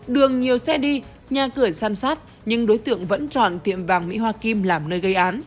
đường nhiều xe đi nhà cửa san sát nhưng đối tượng vẫn chọn tiệm vàng mỹ hoa kim làm nơi gây án